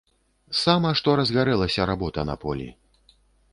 Сама што разгарэлася работа на полі.